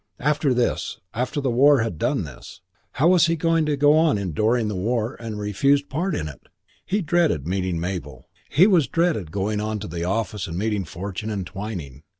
After this, after the war had done this, how was he to go on enduring the war and refused part in it? He dreaded meeting Mabel. He dreaded going on to the office and meeting Fortune and Twyning.